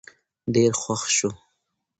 ډېر خوښ شو